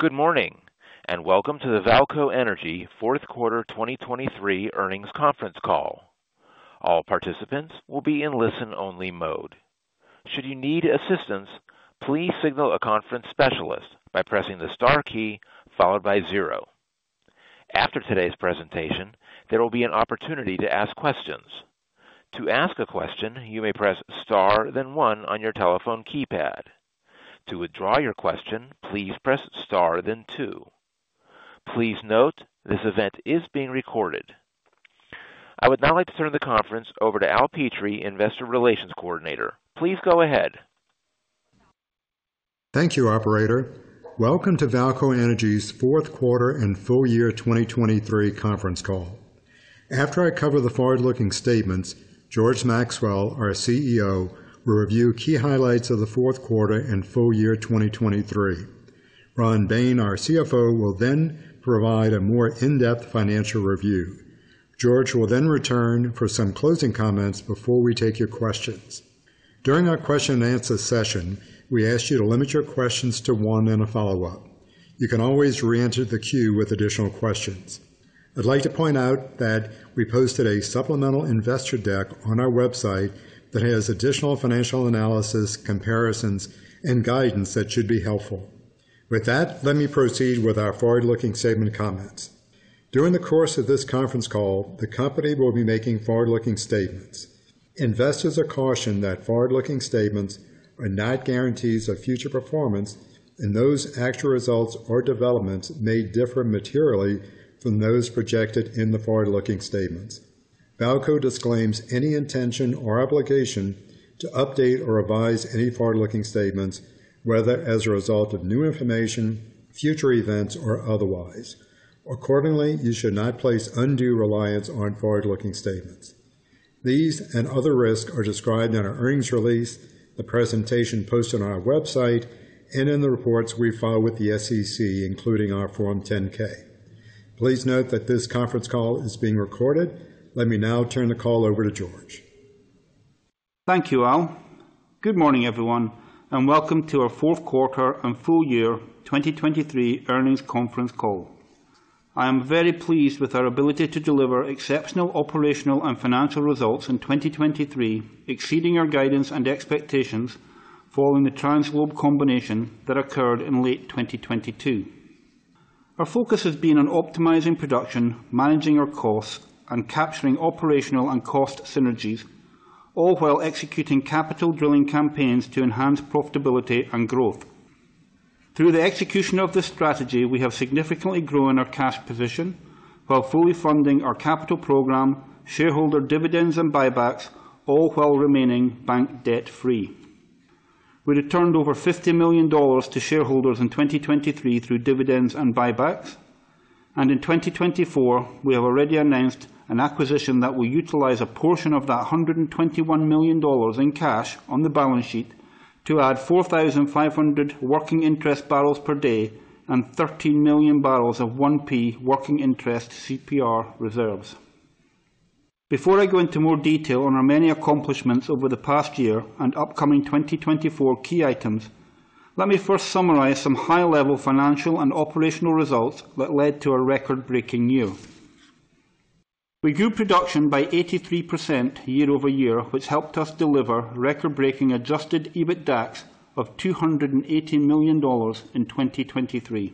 Good morning and welcome to the VAALCO Energy Fourth Quarter 2023 Earnings Conference Call. All participants will be in listen-only mode. Should you need assistance, please signal a conference specialist by pressing the star key followed by zero. After today's presentation, there will be an opportunity to ask questions. To ask a question, you may press star then one on your telephone keypad. To withdraw your question, please press star then 2. Please note, this event is being recorded. I would now like to turn the conference over to Al Petrie, Investor Relations Coordinator. Please go ahead. Thank you, operator. Welcome to VAALCO Energy's fourth quarter and full year 2023 conference call. After I cover the forward-looking statements, George Maxwell, our CEO, will review key highlights of the fourth quarter and full year 2023. Ron Bain, our CFO, will then provide a more in-depth financial review. George will then return for some closing comments before we take your questions. During our question-and-answer session, we ask you to limit your questions to one and a follow-up. You can always reenter the queue with additional questions. I'd like to point out that we posted a supplemental investor deck on our website that has additional financial analysis, comparisons, and guidance that should be helpful. With that, let me proceed with our forward-looking statement comments. During the course of this conference call, the company will be making forward-looking statements. Investors are cautioned that forward-looking statements are not guarantees of future performance, and those actual results or developments may differ materially from those projected in the forward-looking statements. VAALCO disclaims any intention or obligation to update or revise any forward-looking statements, whether as a result of new information, future events, or otherwise. Accordingly, you should not place undue reliance on forward-looking statements. These and other risks are described in our earnings release, the presentation posted on our website, and in the reports we file with the SEC, including our Form 10-K. Please note that this conference call is being recorded. Let me now turn the call over to George. Thank you, Al. Good morning, everyone, and welcome to our fourth quarter and full year 2023 earnings conference call. I am very pleased with our ability to deliver exceptional operational and financial results in 2023, exceeding our guidance and expectations following the TransGlobe combination that occurred in late 2022. Our focus has been on optimizing production, managing our costs, and capturing operational and cost synergies, all while executing capital-drilling campaigns to enhance profitability and growth. Through the execution of this strategy, we have significantly grown our cash position while fully funding our capital program, shareholder dividends, and buybacks, all while remaining bank debt-free. We returned over $50 million to shareholders in 2023 through dividends and buybacks, and in 2024, we have already announced an acquisition that will utilize a portion of that $121 million in cash on the balance sheet to add 4,500 working interest bbl per day and 13 million bbl of 1P working interest CPR reserves. Before I go into more detail on our many accomplishments over the past year and upcoming 2024 key items, let me first summarize some high-level financial and operational results that led to a record-breaking year. We grew production by 83% year-over-year, which helped us deliver record-breaking adjusted EBITDAX of $280 million in 2023.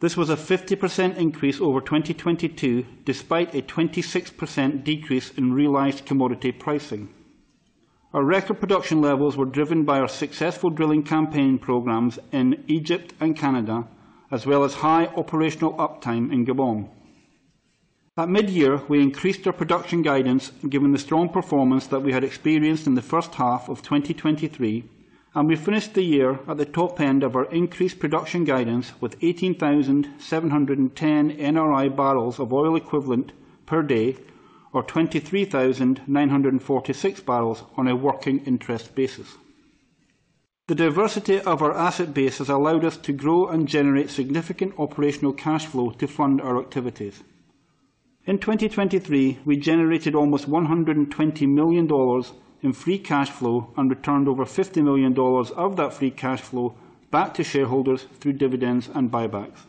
This was a 50% increase over 2022, despite a 26% decrease in realized commodity pricing. Our record production levels were driven by our successful drilling campaign programs in Egypt and Canada, as well as high operational uptime in Gabon. At midyear, we increased our production guidance given the strong performance that we had experienced in the first half of 2023, and we finished the year at the top end of our increased production guidance with 18,710 NRI bbl of oil equivalent per day, or 23,946 bbl on a working interest basis. The diversity of our asset bases allowed us to grow and generate significant operational cash flow to fund our activities. In 2023, we generated almost $120 million in free cash flow and returned over $50 million of that free cash flow back to shareholders through dividends and buybacks.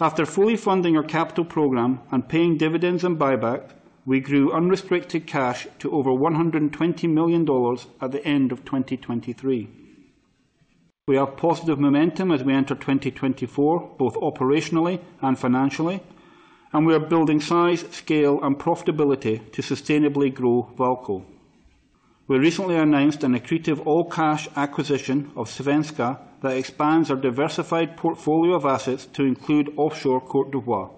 After fully funding our capital program and paying dividends and buybacks, we grew unrestricted cash to over $120 million at the end of 2023. We have positive momentum as we enter 2024, both operationally and financially, and we are building size, scale, and profitability to sustainably grow VAALCO. We recently announced an accretive all-cash acquisition of Svenska that expands our diversified portfolio of assets to include offshore Côte d'Ivoire.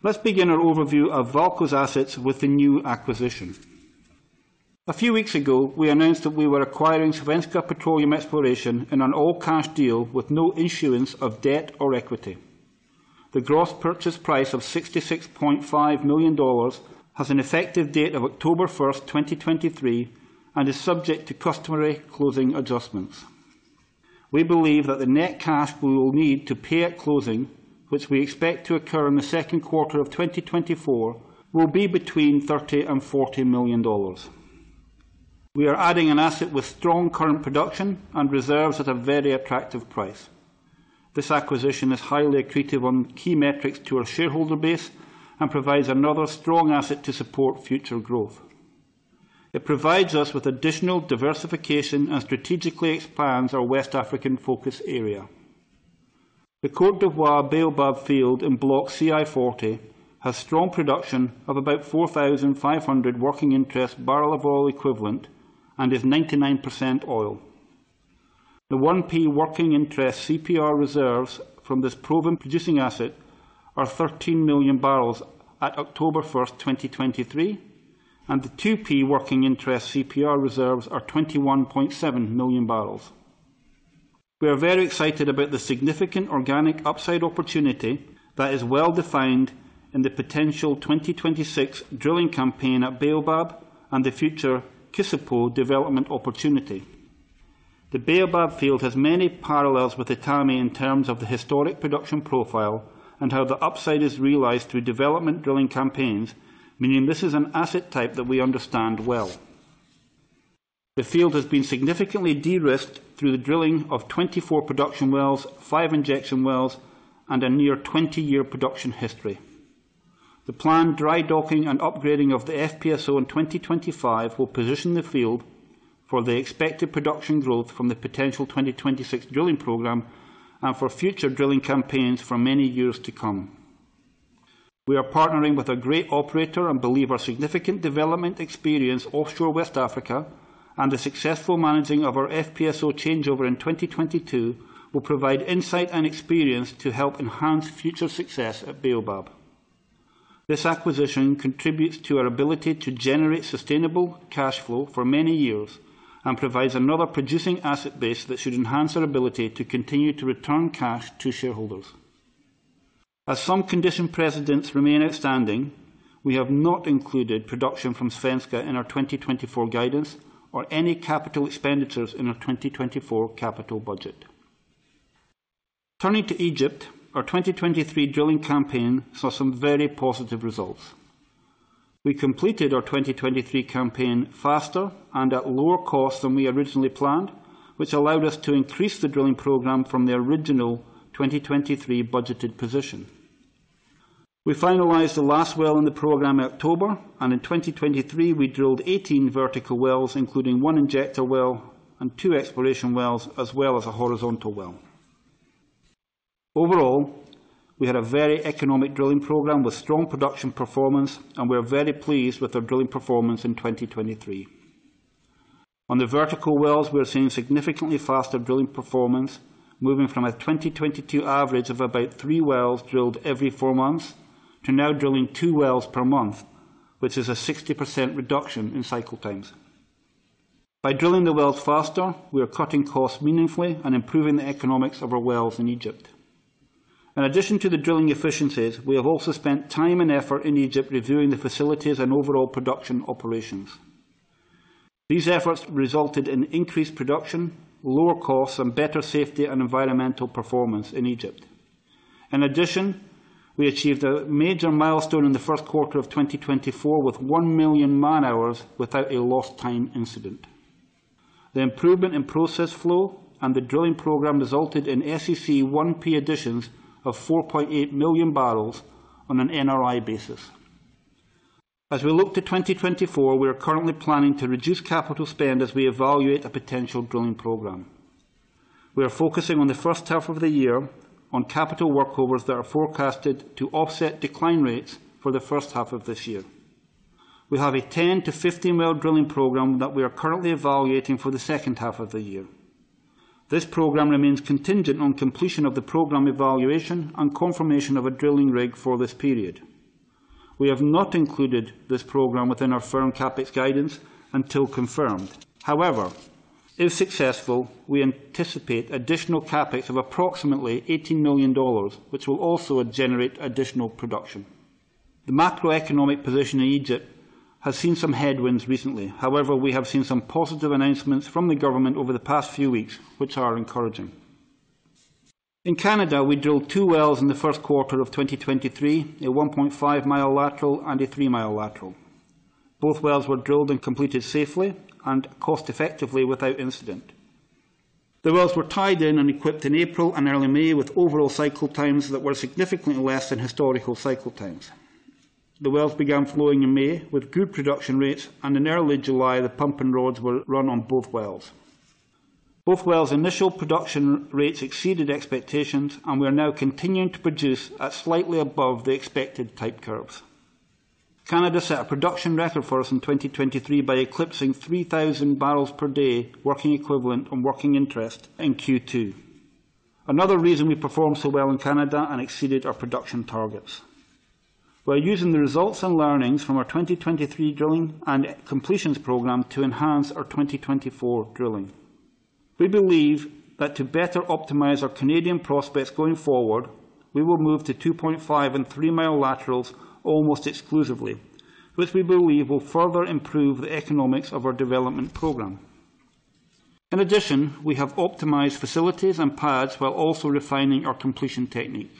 Let's begin our overview of VAALCO's assets with the new acquisition. A few weeks ago, we announced that we were acquiring Svenska Petroleum Exploration in an all-cash deal with no issuance of debt or equity. The gross purchase price of $66.5 million has an effective date of October 1st, 2023, and is subject to customary closing adjustments. We believe that the net cash we will need to pay at closing, which we expect to occur in the second quarter of 2024, will be between $30 million-$40 million. We are adding an asset with strong current production and reserves at a very attractive price. This acquisition is highly accretive on key metrics to our shareholder base and provides another strong asset to support future growth. It provides us with additional diversification and strategically expands our West African focus area. The Côte d'Ivoire Baobab Field in Block CI-40 has strong production of about 4,500 working interest bbl of oil equivalent and is 99% oil. The 1P working interest CPR reserves from this proven producing asset are 13 million bbl at October 1st, 2023, and the 2P working interest CPR reserves are 21.7 million bbl. We are very excited about the significant organic upside opportunity that is well defined in the potential 2026 drilling campaign at Baobab and the future Kossipo development opportunity. The Baobab Field has many parallels with Etame in terms of the historic production profile and how the upside is realized through development drilling campaigns, meaning this is an asset type that we understand well. The field has been significantly de-risked through the drilling of 24 production wells, 5 injection wells, and a near 20-year production history. The planned dry docking and upgrading of the FPSO in 2025 will position the field for the expected production growth from the potential 2026 drilling program and for future drilling campaigns for many years to come. We are partnering with a great operator and believe our significant development experience offshore West Africa and the successful managing of our FPSO changeover in 2022 will provide insight and experience to help enhance future success at Baobab. This acquisition contributes to our ability to generate sustainable cash flow for many years and provides another producing asset base that should enhance our ability to continue to return cash to shareholders. As some conditions precedent remain outstanding, we have not included production from Svenska in our 2024 guidance or any capital expenditures in our 2024 capital budget. Turning to Egypt, our 2023 drilling campaign saw some very positive results. We completed our 2023 campaign faster and at lower cost than we originally planned, which allowed us to increase the drilling program from the original 2023 budgeted position. We finalized the last well in the program in October, and in 2023, we drilled 18 vertical wells, including 1 injector well and 2 exploration wells, as well as a horizontal well. Overall, we had a very economic drilling program with strong production performance, and we are very pleased with our drilling performance in 2023. On the vertical wells, we are seeing significantly faster drilling performance, moving from a 2022 average of about 3 wells drilled every 4 months to now drilling 2 wells per month, which is a 60% reduction in cycle times. By drilling the wells faster, we are cutting costs meaningfully and improving the economics of our wells in Egypt. In addition to the drilling efficiencies, we have also spent time and effort in Egypt reviewing the facilities and overall production operations. These efforts resulted in increased production, lower costs, and better safety and environmental performance in Egypt. In addition, we achieved a major milestone in the first quarter of 2024 with 1 million man-hours without a lost-time incident. The improvement in process flow and the drilling program resulted in SEC 1P additions of 4.8 million bbl on an NRI basis. As we look to 2024, we are currently planning to reduce capital spend as we evaluate a potential drilling program. We are focusing on the first half of the year on capital workovers that are forecasted to offset decline rates for the first half of this year. We have a 10-15 well drilling program that we are currently evaluating for the second half of the year. This program remains contingent on completion of the program evaluation and confirmation of a drilling rig for this period. We have not included this program within our firm CapEx guidance until confirmed. However, if successful, we anticipate additional CapEx of approximately $18 million, which will also generate additional production. The macroeconomic position in Egypt has seen some headwinds recently. However, we have seen some positive announcements from the government over the past few weeks, which are encouraging. In Canada, we drilled two wells in the first quarter of 2023, a 1.5-mile lateral and a 3-mile lateral. Both wells were drilled and completed safely and cost-effectively without incident. The wells were tied in and equipped in April and early May with overall cycle times that were significantly less than historical cycle times. The wells began flowing in May with good production rates, and in early July, the pump and rods were run on both wells. Both wells' initial production rates exceeded expectations, and we are now continuing to produce at slightly above the expected type curves. Canada set a production record for us in 2023 by eclipsing 3,000 bbl per day working equivalent and working interest in Q2. Another reason we performed so well in Canada and exceeded our production targets: we are using the results and learnings from our 2023 drilling and completions program to enhance our 2024 drilling. We believe that to better optimize our Canadian prospects going forward, we will move to 2.5- and 3-mile laterals almost exclusively, which we believe will further improve the economics of our development program. In addition, we have optimized facilities and pads while also refining our completion technique.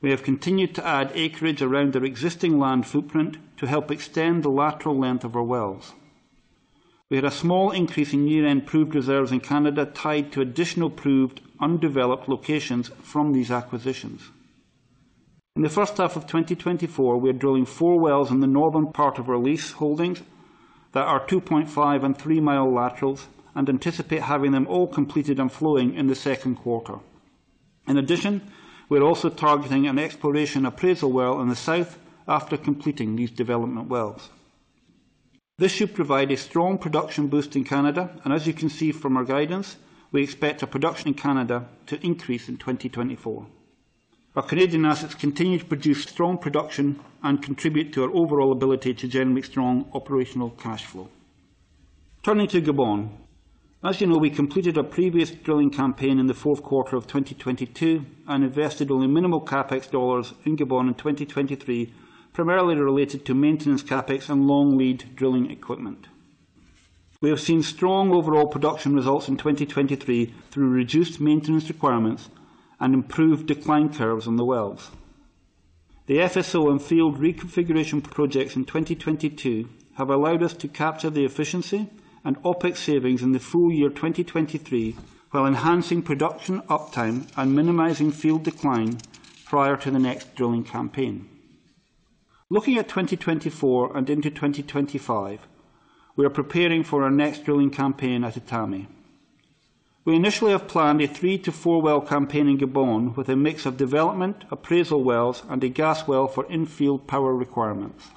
We have continued to add acreage around our existing land footprint to help extend the lateral length of our wells. We had a small increase in year-end proved reserves in Canada tied to additional proved undeveloped locations from these acquisitions. In the first half of 2024, we are drilling four wells in the northern part of our lease holdings that are 2.5 and 3-mi laterals and anticipate having them all completed and flowing in the second quarter. In addition, we are also targeting an exploration appraisal well in the south after completing these development wells. This should provide a strong production boost in Canada, and as you can see from our guidance, we expect our production in Canada to increase in 2024. Our Canadian assets continue to produce strong production and contribute to our overall ability to generate strong operational cash flow. Turning to Gabon, as you know, we completed a previous drilling campaign in the fourth quarter of 2022 and invested only minimal CapEx dollars in Gabon in 2023, primarily related to maintenance CapEx and long lead drilling equipment. We have seen strong overall production results in 2023 through reduced maintenance requirements and improved decline curves on the wells. The FSO and field reconfiguration projects in 2022 have allowed us to capture the efficiency and OpEx savings in the full year 2023 while enhancing production uptime and minimizing field decline prior to the next drilling campaign. Looking at 2024 and into 2025, we are preparing for our next drilling campaign at Etame. We initially have planned a 3-4 well campaign in Gabon with a mix of development appraisal wells and a gas well for in-field power requirements.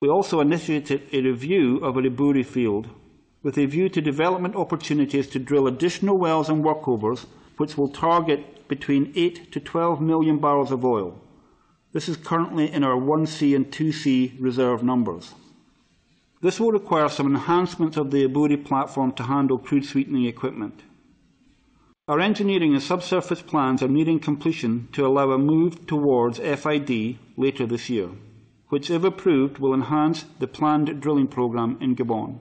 We also initiated a review of a Eburi field with a view to development opportunities to drill additional wells and workovers, which will target between 8 million-12 million bbl of oil. This is currently in our 1C and 2C reserve numbers. This will require some enhancements of the Eburi platform to handle crude sweetening equipment. Our engineering and subsurface plans are nearing completion to allow a move towards FID later this year, which, if approved, will enhance the planned drilling program in Gabon.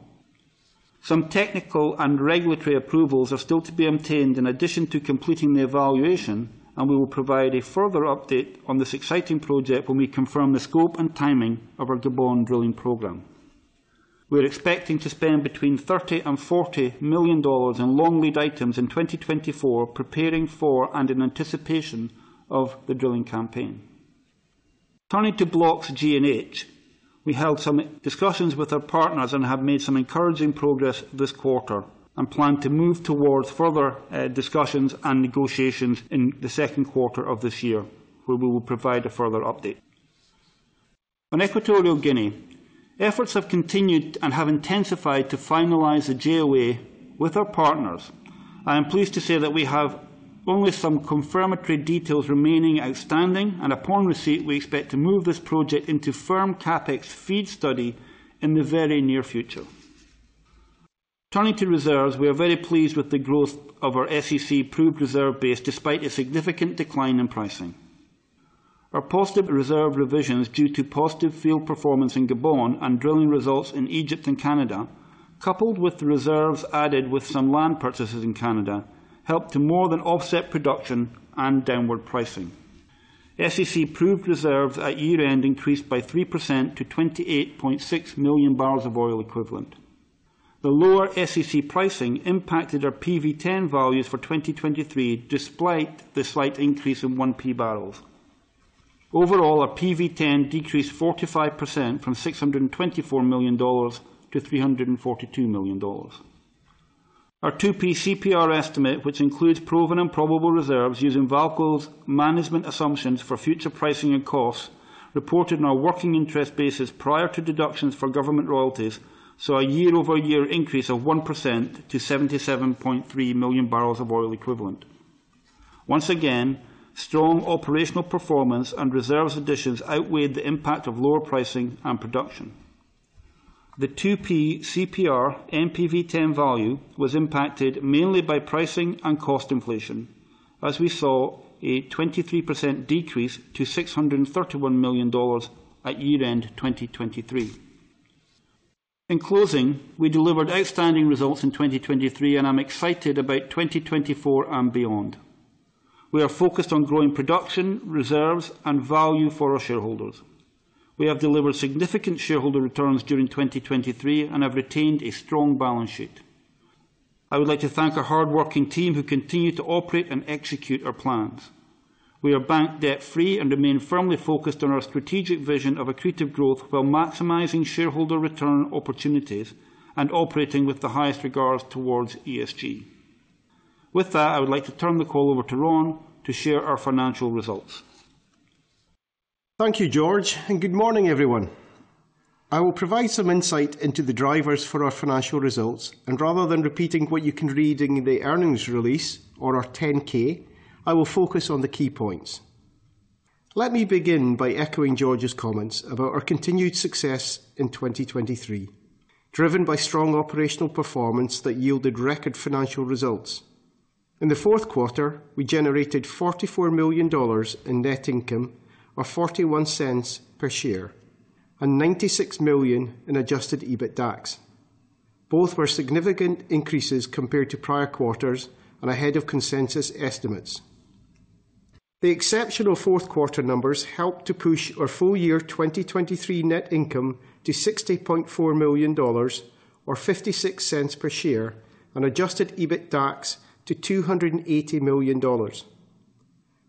Some technical and regulatory approvals are still to be obtained in addition to completing the evaluation, and we will provide a further update on this exciting project when we confirm the scope and timing of our Gabon drilling program. We are expecting to spend between $30 million and $40 million in long lead items in 2024, preparing for and in anticipation of the drilling campaign. Turning to Blocks G & H, we held some discussions with our partners and have made some encouraging progress this quarter and plan to move towards further discussions and negotiations in the second quarter of this year, where we will provide a further update. On Equatorial Guinea, efforts have continued and have intensified to finalize the JOA with our partners. I am pleased to say that we have only some confirmatory details remaining outstanding, and upon receipt, we expect to move this project into firm CapEx FEED study in the very near future. Turning to reserves, we are very pleased with the growth of our SEC proved reserve base despite a significant decline in pricing. Our positive reserve revisions due to positive field performance in Gabon and drilling results in Egypt and Canada, coupled with the reserves added with some land purchases in Canada, helped to more than offset production and downward pricing. SEC proved reserves at year-end increased by 3% to 28.6 million bbl of oil equivalent. The lower SEC pricing impacted our PV10 values for 2023 despite the slight increase in 1P barrels. Overall, our PV10 decreased 45% from $624 million to $342 million. Our 2P CPR estimate, which includes proven and probable reserves using VAALCO's management assumptions for future pricing and costs, reported on our working interest basis prior to deductions for government royalties, saw a year-over-year increase of 1% to 77.3 million bbl of oil equivalent. Once again, strong operational performance and reserves additions outweighed the impact of lower pricing and production. The 2P CPR PV10 value was impacted mainly by pricing and cost inflation, as we saw a 23% decrease to $631 million at year-end 2023. In closing, we delivered outstanding results in 2023, and I'm excited about 2024 and beyond. We are focused on growing production, reserves, and value for our shareholders. We have delivered significant shareholder returns during 2023 and have retained a strong balance sheet. I would like to thank our hardworking team who continue to operate and execute our plans. We are bank debt-free and remain firmly focused on our strategic vision of accretive growth while maximizing shareholder return opportunities and operating with the highest regards towards ESG. With that, I would like to turn the call over to Ron to share our financial results. Thank you, George, and good morning, everyone. I will provide some insight into the drivers for our financial results, and rather than repeating what you can read in the earnings release or our 10K, I will focus on the key points. Let me begin by echoing George's comments about our continued success in 2023, driven by strong operational performance that yielded record financial results. In the fourth quarter, we generated $44 million in net income or $0.41 per share and $96 million in Adjusted EBITDAX. Both were significant increases compared to prior quarters and ahead of consensus estimates. The exceptional fourth quarter numbers helped to push our full year 2023 net income to $60.4 million or $0.56 per share and Adjusted EBITDAX to $280 million.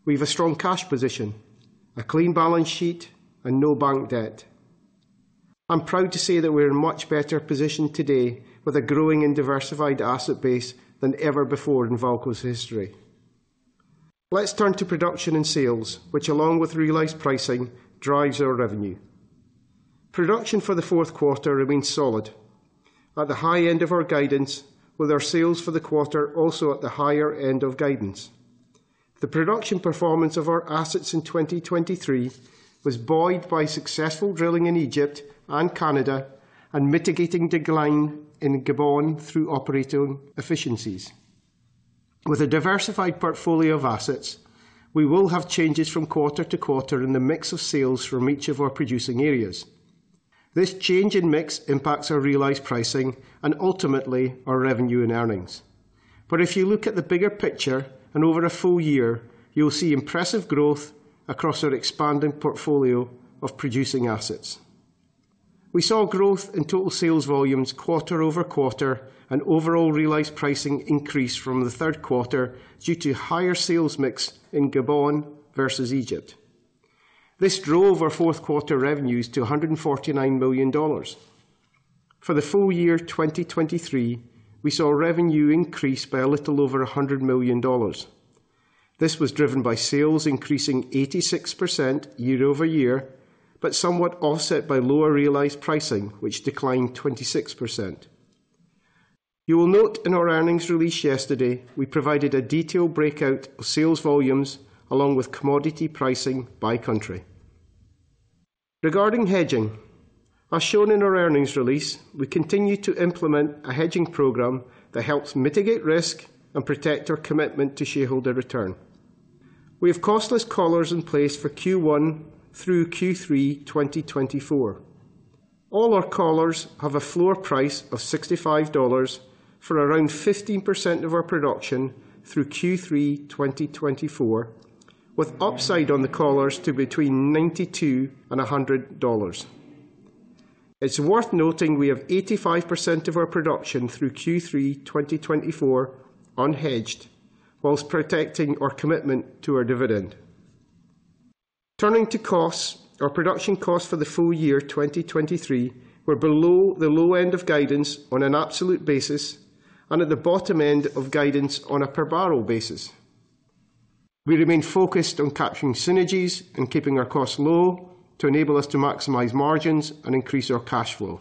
We have a strong cash position, a clean balance sheet, and no bank debt. I'm proud to say that we're in a much better position today with a growing and diversified asset base than ever before in VAALCO's history. Let's turn to production and sales, which, along with realized pricing, drives our revenue. Production for the fourth quarter remains solid at the high end of our guidance, with our sales for the quarter also at the higher end of guidance. The production performance of our assets in 2023 was buoyed by successful drilling in Egypt and Canada and mitigating decline in Gabon through operating efficiencies. With a diversified portfolio of assets, we will have changes from quarter to quarter in the mix of sales from each of our producing areas. This change in mix impacts our realized pricing and ultimately our revenue and earnings. But if you look at the bigger picture and over a full year, you'll see impressive growth across our expanding portfolio of producing assets. We saw growth in total sales volumes quarter-over-quarter and overall realized pricing increase from the third quarter due to higher sales mix in Gabon versus Egypt. This drove our fourth quarter revenues to $149 million. For the full year 2023, we saw revenue increase by a little over $100 million. This was driven by sales increasing 86% year-over-year but somewhat offset by lower realized pricing, which declined 26%. You will note in our earnings release yesterday, we provided a detailed breakout of sales volumes along with commodity pricing by country. Regarding hedging, as shown in our earnings release, we continue to implement a hedging program that helps mitigate risk and protect our commitment to shareholder return. We have costless collars in place for Q1 through Q3 2024. All our collars have a floor price of $65 for around 15% of our production through Q3 2024, with upside on the collars to between $92 and $100. It's worth noting we have 85% of our production through Q3 2024 unhedged while protecting our commitment to our dividend. Turning to costs, our production costs for the full year 2023 were below the low end of guidance on an absolute basis and at the bottom end of guidance on a per barrel basis. We remain focused on capturing synergies and keeping our costs low to enable us to maximize margins and increase our cash flow.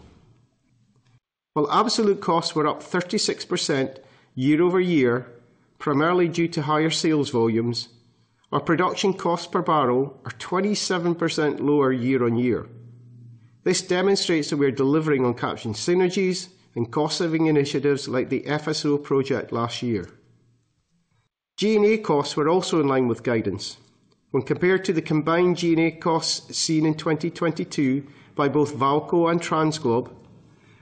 While absolute costs were up 36% year-over-year, primarily due to higher sales volumes, our production costs per barrel are 27% lower year-over-year. This demonstrates that we are delivering on capturing synergies and cost-saving initiatives like the FSO project last year. G&A costs were also in line with guidance. When compared to the combined G&A costs seen in 2022 by both VAALCO and TransGlobe,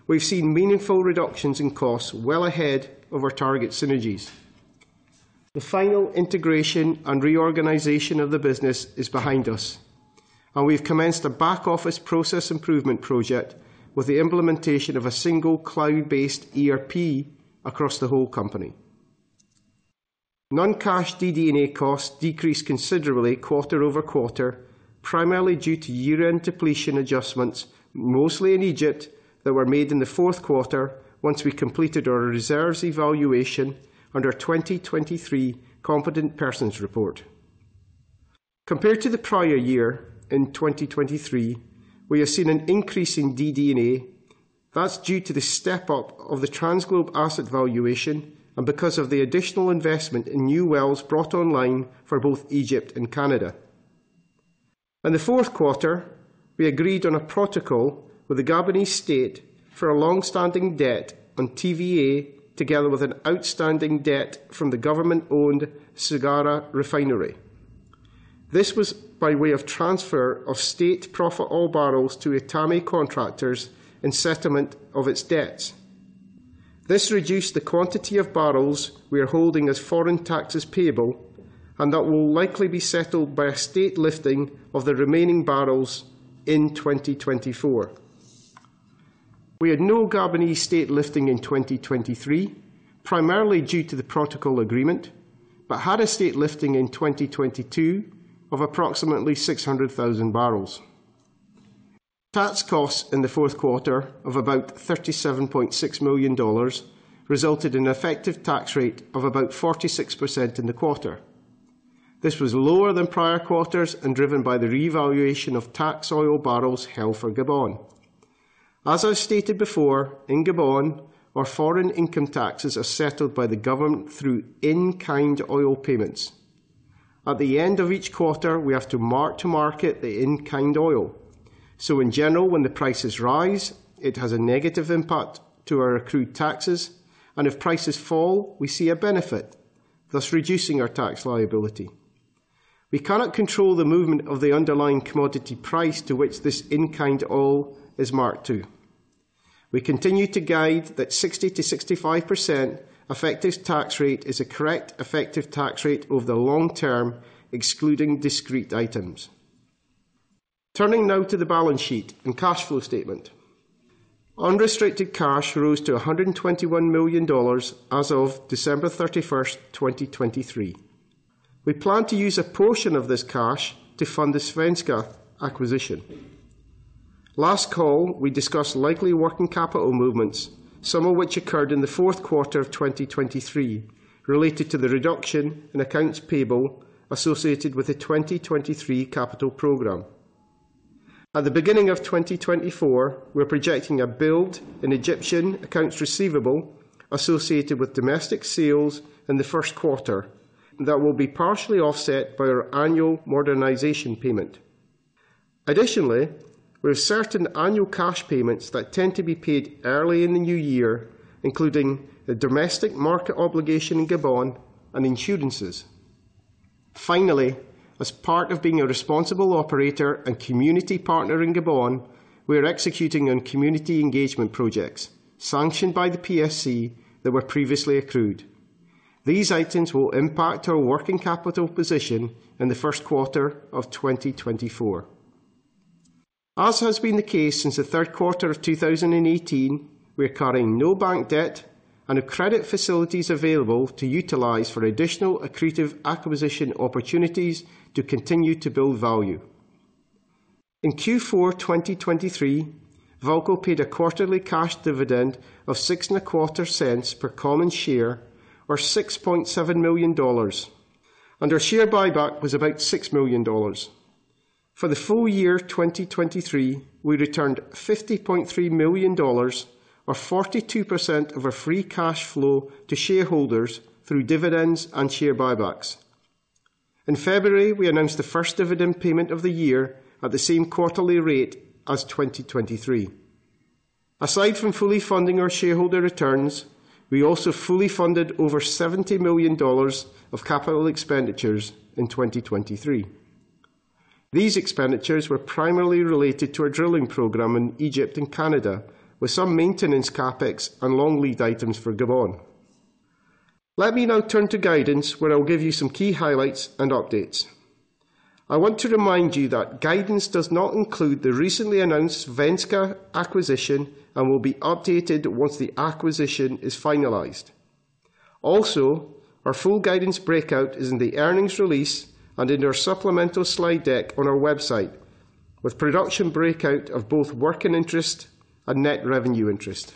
we've seen meaningful reductions in costs well ahead of our target synergies. The final integration and reorganization of the business is behind us, and we've commenced a back-office process improvement project with the implementation of a single cloud-based ERP across the whole company. Non-cash DD&A costs decreased considerably quarter-over-quarter, primarily due to year-end depletion adjustments, mostly in Egypt, that were made in the fourth quarter once we completed our reserves evaluation under 2023 Competent Persons Report. Compared to the prior year in 2023, we have seen an increase in DD&A. That's due to the step-up of the TransGlobe asset valuation and because of the additional investment in new wells brought online for both Egypt and Canada. In the fourth quarter, we agreed on a protocol with the Gabonese state for a longstanding debt on TVA together with an outstanding debt from the government-owned Sogara refinery. This was by way of transfer of state profit oil barrels to Etame contractors in settlement of its debts. This reduced the quantity of barrels we are holding as foreign taxes payable, and that will likely be settled by a state lifting of the remaining barrels in 2024. We had no Gabonese state lifting in 2023, primarily due to the protocol agreement, but had a state lifting in 2022 of approximately 600,000 bbl. Tax costs in the fourth quarter of about $37.6 million resulted in an effective tax rate of about 46% in the quarter. This was lower than prior quarters and driven by the revaluation of tax oil barrels held for Gabon. As I stated before, in Gabon, our foreign income taxes are settled by the government through in-kind oil payments. At the end of each quarter, we have to mark to market the in-kind oil. So, in general, when the prices rise, it has a negative impact to our accrued taxes, and if prices fall, we see a benefit, thus reducing our tax liability. We cannot control the movement of the underlying commodity price to which this in-kind oil is marked to. We continue to guide that 60%-65% effective tax rate is a correct effective tax rate over the long term, excluding discrete items. Turning now to the balance sheet and cash flow statement, unrestricted cash rose to $121 million as of December 31st, 2023. We plan to use a portion of this cash to fund the Svenska acquisition. Last call, we discussed likely working capital movements, some of which occurred in the fourth quarter of 2023, related to the reduction in accounts payable associated with the 2023 capital program. At the beginning of 2024, we're projecting a build in Egyptian accounts receivable associated with domestic sales in the first quarter that will be partially offset by our annual modernization payment. Additionally, we have certain annual cash payments that tend to be paid early in the new year, including the domestic market obligation in Gabon and insurances. Finally, as part of being a responsible operator and community partner in Gabon, we are executing on community engagement projects sanctioned by the PSC that were previously accrued. These items will impact our working capital position in the first quarter of 2024. As has been the case since the third quarter of 2018, we are carrying no bank debt and have credit facilities available to utilize for additional accretive acquisition opportunities to continue to build value. In Q4 2023, VAALCO paid a quarterly cash dividend of $0.0625 per common share, or $6.7 million, and our share buyback was about $6 million. For the full year 2023, we returned $50.3 million, or 42% of our free cash flow to shareholders through dividends and share buybacks. In February, we announced the first dividend payment of the year at the same quarterly rate as 2023. Aside from fully funding our shareholder returns, we also fully funded over $70 million of capital expenditures in 2023. These expenditures were primarily related to our drilling program in Egypt and Canada, with some maintenance CapEx and long lead items for Gabon. Let me now turn to guidance, where I'll give you some key highlights and updates. I want to remind you that guidance does not include the recently announced Svenska acquisition and will be updated once the acquisition is finalized. Also, our full guidance breakout is in the earnings release and in our supplemental slide deck on our website, with production breakout of both working interest and net revenue interest.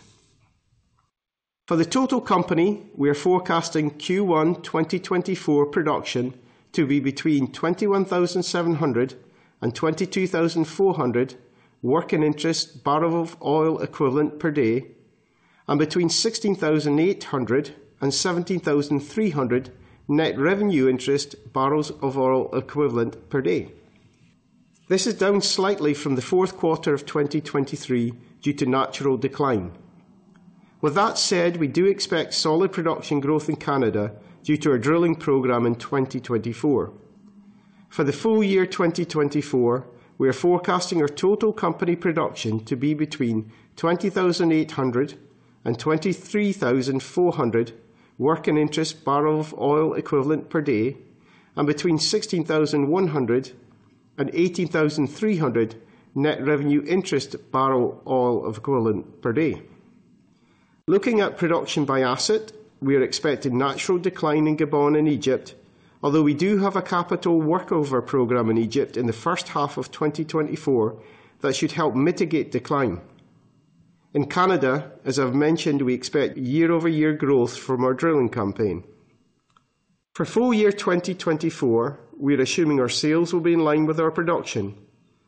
For the total company, we are forecasting Q1 2024 production to be between 21,700-22,400 working interest barrels of oil equivalent per day, and between 16,800-17,300 net revenue interest barrels of oil equivalent per day. This is down slightly from the fourth quarter of 2023 due to natural decline. With that said, we do expect solid production growth in Canada due to our drilling program in 2024. For the full year 2024, we are forecasting our total company production to be between 20,800 and 23,400 working interest barrels of oil equivalent per day, and between 16,100 and 18,300 net revenue interest barrels of oil equivalent per day. Looking at production by asset, we are expecting natural decline in Gabon and Egypt, although we do have a capital workover program in Egypt in the first half of 2024 that should help mitigate decline. In Canada, as I've mentioned, we expect year-over-year growth from our drilling campaign. For full year 2024, we are assuming our sales will be in line with our production,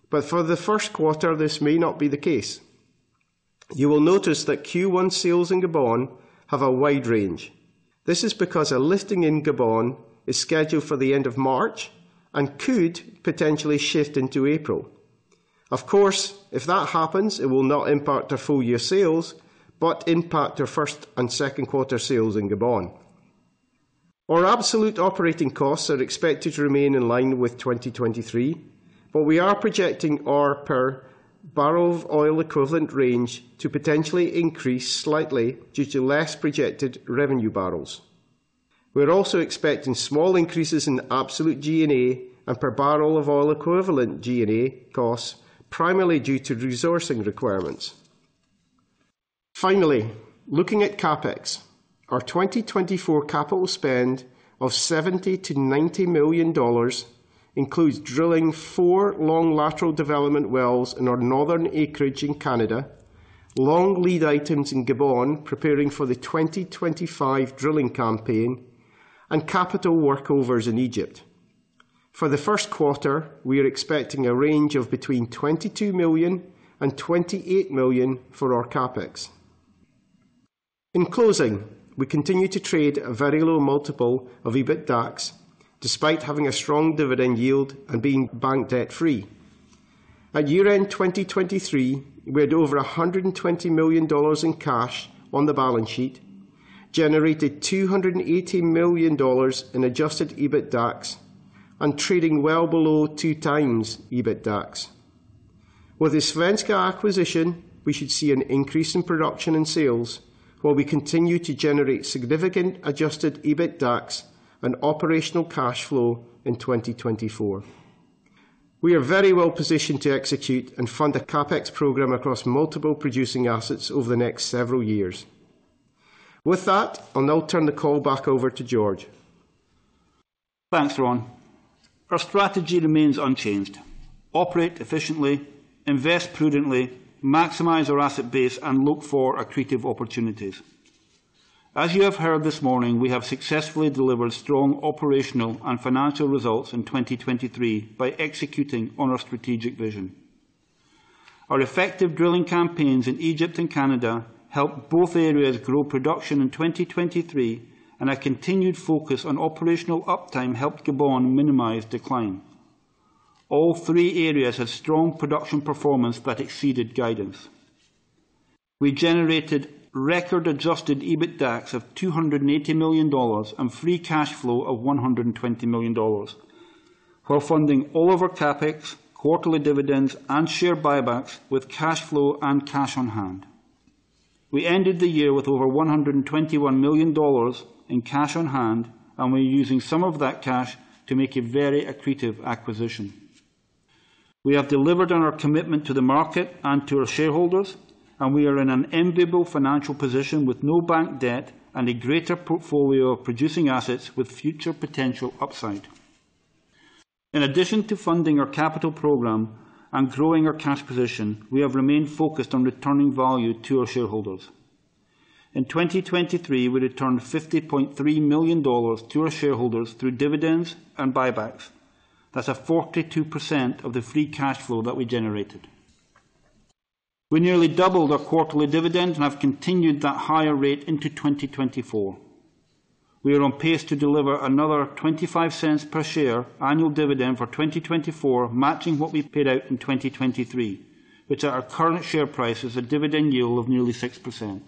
but for the first quarter, this may not be the case. You will notice that Q1 sales in Gabon have a wide range. This is because a lifting in Gabon is scheduled for the end of March and could potentially shift into April. Of course, if that happens, it will not impact our full-year sales but impact our first and second quarter sales in Gabon. Our absolute operating costs are expected to remain in line with 2023, but we are projecting our per barrel of oil equivalent range to potentially increase slightly due to less projected revenue barrels. We are also expecting small increases in absolute G&A and per barrel of oil equivalent G&A costs, primarily due to resourcing requirements. Finally, looking at CapEx, our 2024 capital spend of $70-$90 million includes drilling four long lateral development wells in our northern acreage in Canada, long lead items in Gabon preparing for the 2025 drilling campaign, and capital workovers in Egypt. For the first quarter, we are expecting a range of between $22 million and $28 million for our CapEx. In closing, we continue to trade a very low multiple of EBITDA despite having a strong dividend yield and being bank debt free. At year-end 2023, we had over $120 million in cash on the balance sheet, generated $280 million in adjusted EBITDA, and trading well below 2x EBITDA. With the Svenska acquisition, we should see an increase in production and sales while we continue to generate significant adjusted EBITDA and operational cash flow in 2024. We are very well positioned to execute and fund a CapEx program across multiple producing assets over the next several years. With that, I'll now turn the call back over to George. Thanks, Ron. Our strategy remains unchanged: operate efficiently, invest prudently, maximize our asset base, and look for accretive opportunities. As you have heard this morning, we have successfully delivered strong operational and financial results in 2023 by executing on our strategic vision. Our effective drilling campaigns in Egypt and Canada helped both areas grow production in 2023, and our continued focus on operational uptime helped Gabon minimize decline. All three areas had strong production performance that exceeded guidance. We generated record adjusted EBITDA of $280 million and free cash flow of $120 million while funding all of our CapEx, quarterly dividends, and share buybacks with cash flow and cash on hand. We ended the year with over $121 million in cash on hand, and we are using some of that cash to make a very accretive acquisition. We have delivered on our commitment to the market and to our shareholders, and we are in an amenable financial position with no bank debt and a greater portfolio of producing assets with future potential upside. In addition to funding our capital program and growing our cash position, we have remained focused on returning value to our shareholders. In 2023, we returned $50.3 million to our shareholders through dividends and buybacks. That's 42% of the free cash flow that we generated. We nearly doubled our quarterly dividend and have continued that higher rate into 2024. We are on pace to deliver another $0.25 per share annual dividend for 2024 matching what we paid out in 2023, which at our current share price is a dividend yield of nearly 6%.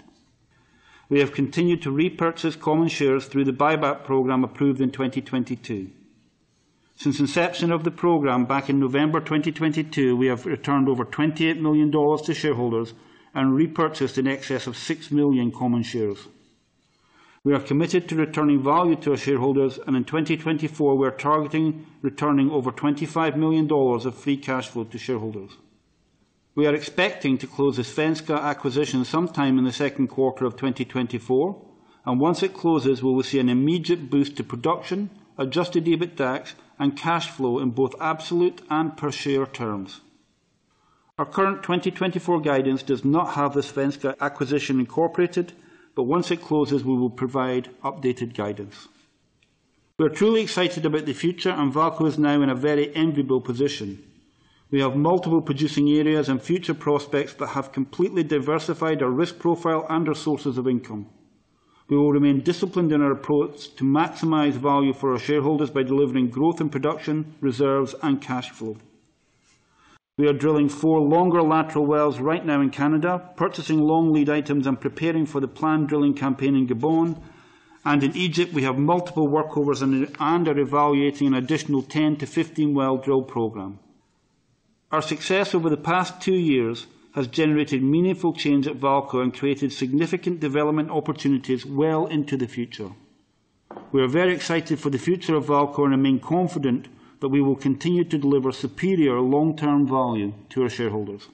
We have continued to repurchase common shares through the buyback program approved in 2022. Since inception of the program back in November 2022, we have returned over $28 million to shareholders and repurchased an excess of 6 million common shares. We are committed to returning value to our shareholders, and in 2024, we are targeting returning over $25 million of free cash flow to shareholders. We are expecting to close the Svenska acquisition sometime in the second quarter of 2024, and once it closes, we will see an immediate boost to production, Adjusted EBITDAX, and cash flow in both absolute and per share terms. Our current 2024 guidance does not have the Svenska acquisition incorporated, but once it closes, we will provide updated guidance. We are truly excited about the future, and VAALCO is now in a very amenable position. We have multiple producing areas and future prospects that have completely diversified our risk profile and our sources of income. We will remain disciplined in our approach to maximize value for our shareholders by delivering growth in production, reserves, and cash flow. We are drilling four longer lateral wells right now in Canada, purchasing long lead items, and preparing for the planned drilling campaign in Gabon. In Egypt, we have multiple workovers and are evaluating an additional 10-15 well drill program. Our success over the past two years has generated meaningful change at VAALCO and created significant development opportunities well into the future. We are very excited for the future of VAALCO and remain confident that we will continue to deliver superior long-term value to our shareholders.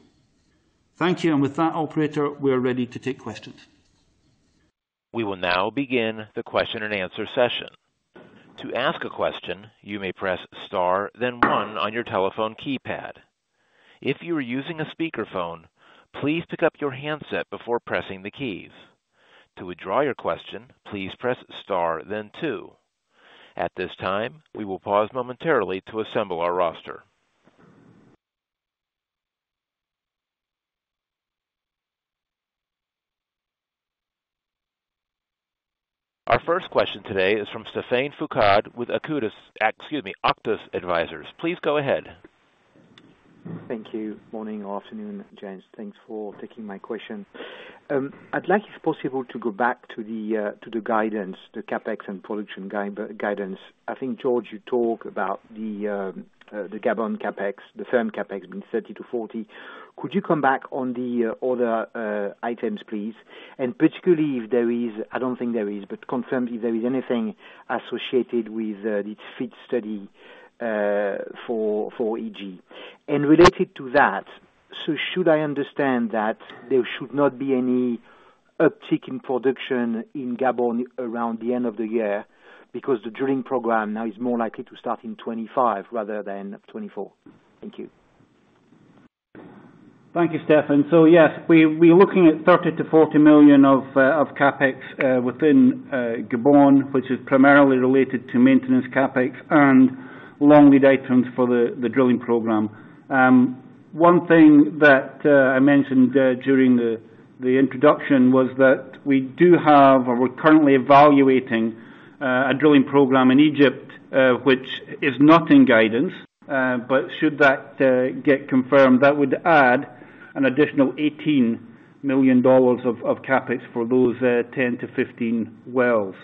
Thank you, and with that, operator, we are ready to take questions. We will now begin the question and answer session. To ask a question, you may press star, then one on your telephone keypad. If you are using a speakerphone, please pick up your handset before pressing the keys. To withdraw your question, please press star, then two. At this time, we will pause momentarily to assemble our roster. Our first question today is from Stéphane Foucaud with Auctus Advisors. Please go ahead. Thank you. Morning or afternoon, Gents. Thanks for taking my question. I'd like, if possible, to go back to the guidance, the CapEx and production guidance. I think, George, you talked about the Gabon CapEx, the firm CapEx being $30-$40. Could you come back on the other items, please? And particularly if there is, I don't think there is, but confirm if there is anything associated with its FEED study for EG. And related to that, should I understand that there should not be any uptick in production in Gabon around the end of the year because the drilling program now is more likely to start in 2025 rather than 2024? Thank you. Thank you, Stephane. So yes, we are looking at $30 million-$40 million of CapEx within Gabon, which is primarily related to maintenance CapEx and long lead items for the drilling program. One thing that I mentioned during the introduction was that we do have or we're currently evaluating a drilling program in Egypt, which is not in guidance. But should that get confirmed, that would add an additional $18 million of CapEx for those 10-15 wells.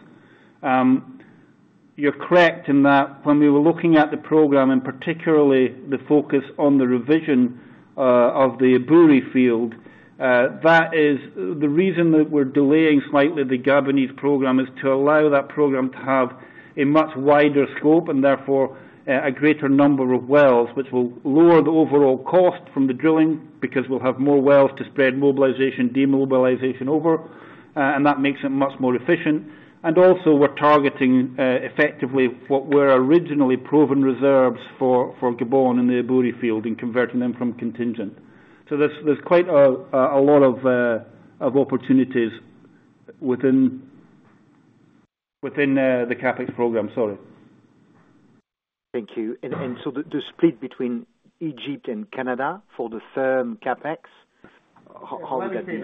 You're correct in that when we were looking at the program, and particularly the focus on the revision of the Eburi field, the reason that we're delaying slightly the Gabonese program is to allow that program to have a much wider scope and therefore a greater number of wells, which will lower the overall cost from the drilling because we'll have more wells to spread mobilization, demobilization over, and that makes it much more efficient. And also, we're targeting effectively what were originally proven reserves for Gabon in the Eburi field and converting them from contingent. So there's quite a lot of opportunities within the CapEx program. Sorry. Thank you. And so the split between Egypt and Canada for the firm CapEx, how would that be?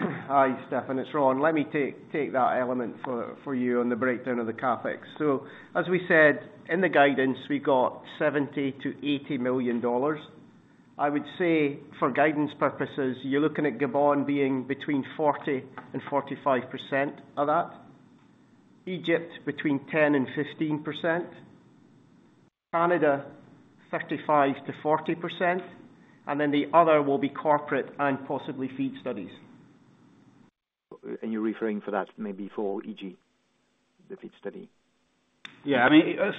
Hi, Stephane. It's Ron. Let me take that element for you on the breakdown of the CapEx. So as we said, in the guidance, we've got $70 million-$80 million. I would say, for guidance purposes, you're looking at Gabon being between 40% and 45% of that, Egypt between 10% and 15%, Canada 35%-40%, and then the other will be corporate and possibly FEED studies. You're referring for that maybe for EG, the FIT study? Yeah.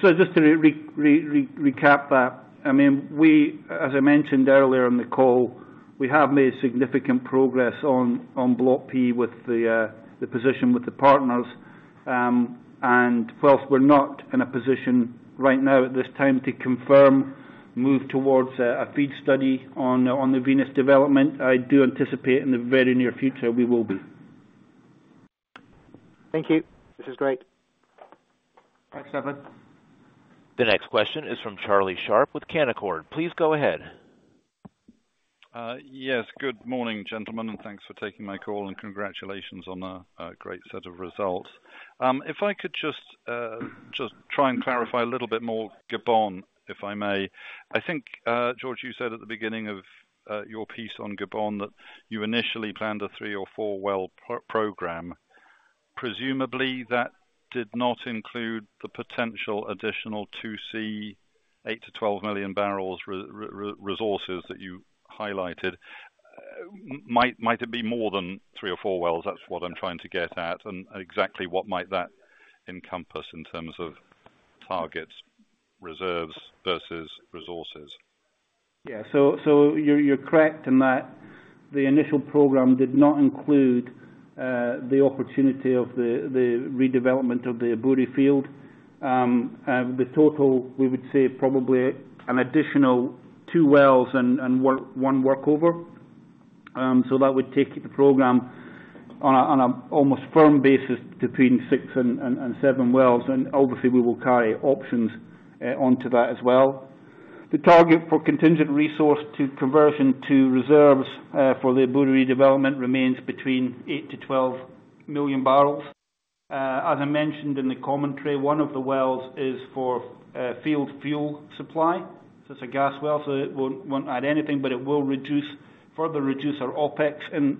So just to recap that, as I mentioned earlier on the call, we have made significant progress on Block P with the position with the partners. While we're not in a position right now at this time to confirm move towards a FEED study on the Venus development, I do anticipate in the very near future we will be. Thank you. This is great. Thanks, Stephane. The next question is from Charlie Sharp with Canaccord Genuity. Please go ahead. Yes. Good morning, gentlemen, and thanks for taking my call. Congratulations on a great set of results. If I could just try and clarify a little bit more Gabon, if I may. I think, George, you said at the beginning of your piece on Gabon that you initially planned a 3 or 4 well program. Presumably, that did not include the potential additional 2C, 8 million-12 million bbl resources that you highlighted. Might it be more than 3 or 4 wells? That's what I'm trying to get at. And exactly what might that encompass in terms of targets, reserves versus resources? Yeah. So you're correct in that the initial program did not include the opportunity of the redevelopment of the Eburi field. The total, we would say, probably an additional 2 wells and 1 workover. So that would take the program on an almost firm basis between 6 and 7 wells. And obviously, we will carry options onto that as well. The target for contingent resource to conversion to reserves for the Eburi development remains between 8 million-12 million bbl. As I mentioned in the commentary, one of the wells is for field fuel supply. So it's a gas well. So it won't add anything, but it will further reduce our OPEX in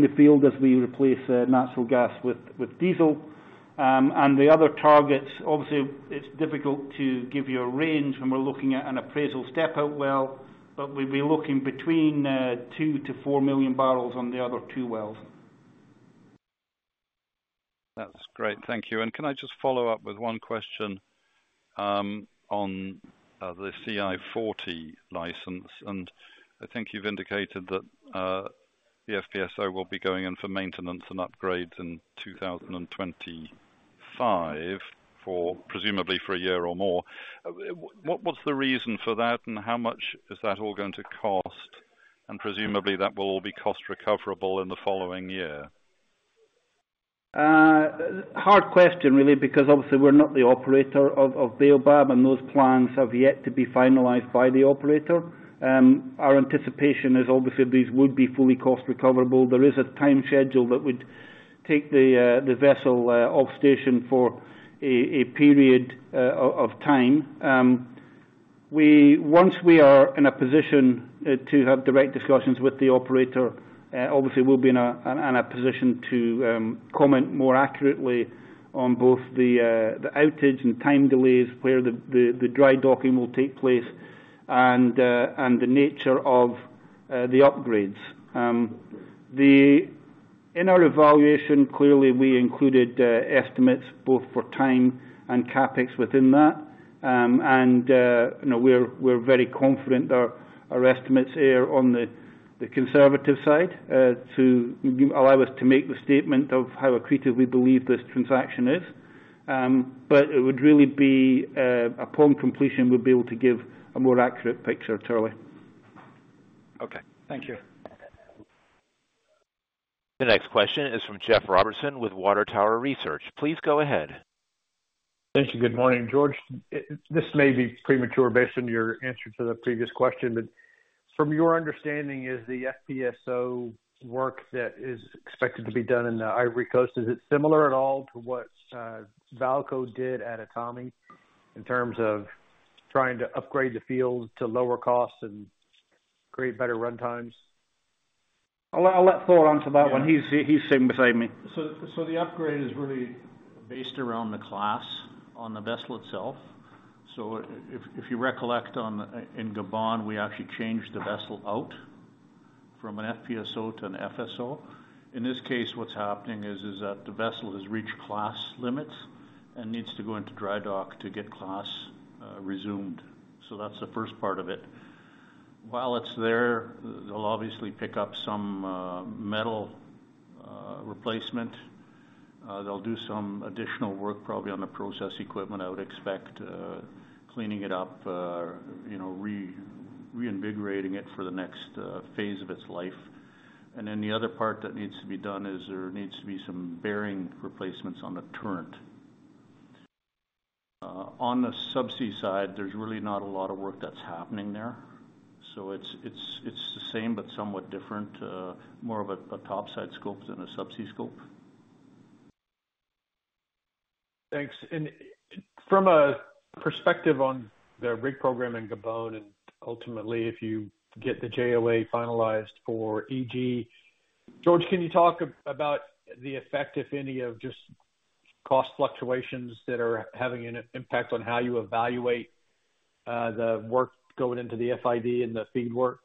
the field as we replace natural gas with diesel. The other targets, obviously, it's difficult to give you a range when we're looking at an appraisal step-out well, but we'll be looking between 2 million-4 million bbl on the other two wells. That's great. Thank you. And can I just follow up with one question on the CI-40 license? And I think you've indicated that the FPSO will be going in for maintenance and upgrades in 2025, presumably for a year or more. What's the reason for that, and how much is that all going to cost? And presumably, that will all be cost recoverable in the following year. Hard question, really, because obviously, we're not the operator of Baobab, and those plans have yet to be finalized by the operator. Our anticipation is, obviously, these would be fully cost recoverable. There is a time schedule that would take the vessel off station for a period of time. Once we are in a position to have direct discussions with the operator, obviously, we'll be in a position to comment more accurately on both the outage and time delays, where the dry docking will take place, and the nature of the upgrades. In our evaluation, clearly, we included estimates both for time and CapEx within that. And we're very confident our estimates err on the conservative side to allow us to make the statement of how accretive we believe this transaction is. But it would really be upon completion we'd be able to give a more accurate picture, Turley. Okay. Thank you. The next question is from Jeff Robertson with Water Tower Research. Please go ahead. Thank you. Good morning, George. This may be premature based on your answer to the previous question, but from your understanding, is the FPSO work that is expected to be done in the Ivory Coast, is it similar at all to what VAALCO did at Etame in terms of trying to upgrade the field to lower costs and create better runtimes? I'll let Thor answer that one. He's sitting beside me. So the upgrade is really based around the class on the vessel itself. So if you recollect, in Gabon, we actually changed the vessel out from an FPSO to an FSO. In this case, what's happening is that the vessel has reached class limits and needs to go into dry dock to get class resumed. So that's the first part of it. While it's there, they'll obviously pick up some metal replacement. They'll do some additional work, probably on the process equipment. I would expect cleaning it up, reinvigorating it for the next phase of its life. And then the other part that needs to be done is there needs to be some bearing replacements on the turret. On the subsea side, there's really not a lot of work that's happening there. So it's the same but somewhat different, more of a topside scope than a subsea scope. Thanks. From a perspective on the rig program in Gabon, and ultimately, if you get the JOA finalized for EG, George, can you talk about the effect, if any, of just cost fluctuations that are having an impact on how you evaluate the work going into the FID and the FEED work?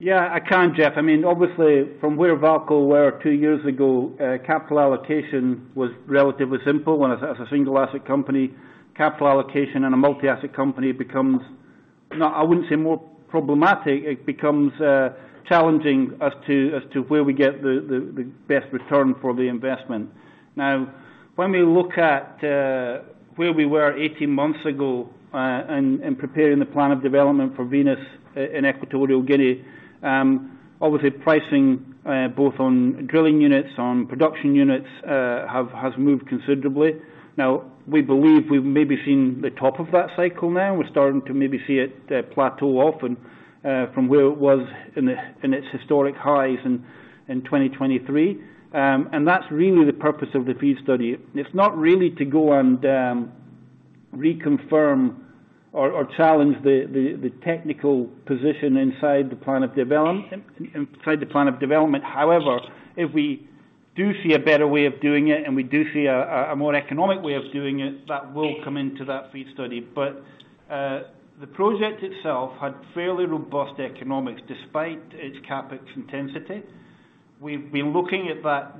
Yeah. I can, Jeff. Obviously, from where VAALCO were two years ago, capital allocation was relatively simple. And as a single asset company, capital allocation in a multi-asset company becomes I wouldn't say more problematic. It becomes challenging as to where we get the best return for the investment. Now, when we look at where we were 18 months ago in preparing the plan of development for Venus in Equatorial Guinea, obviously, pricing both on drilling units, on production units, has moved considerably. Now, we believe we've maybe seen the top of that cycle now. We're starting to maybe see it plateau off from where it was in its historic highs in 2023. And that's really the purpose of the FEED study. It's not really to go and reconfirm or challenge the technical position inside the plan of development. However, if we do see a better way of doing it and we do see a more economic way of doing it, that will come into that FEED study. But the project itself had fairly robust economics despite its CapEx intensity. We've been looking at that